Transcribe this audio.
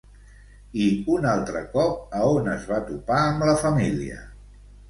I un altre cop a on es va topar amb la família?